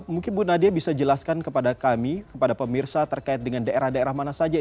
mungkin bu nadia bisa jelaskan kepada kami kepada pemirsa terkait dengan daerah daerah mana saja